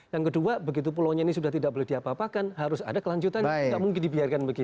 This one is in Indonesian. yang kedua begitu pulau ini sudah tidak boleh diapakan harus ada kelanjutan yang tidak mungkin dibiarkan begitu